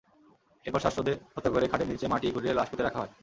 এরপর শ্বাসরোধে হত্যা করে খাটের নিচে মাটি খুঁড়ে লাশ পুঁতে রাখা হয়।